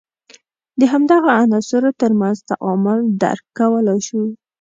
د همدغو عناصر تر منځ تعامل درک کولای شو.